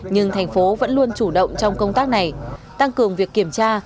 nhưng thành phố vẫn luôn chủ động trong công tác này tăng cường việc kiểm tra